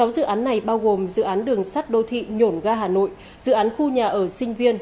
sáu dự án này bao gồm dự án đường sắt đô thị nhổn ga hà nội dự án khu nhà ở sinh viên